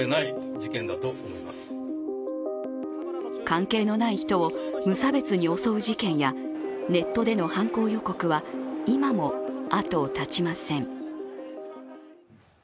関係のない人を無差別に襲う事件やネットでの犯行予告は今も後を絶ちません。